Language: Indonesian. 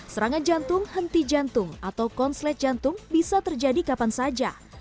serangan jantung henti jantung atau konslet jantung bisa terjadi kapan saja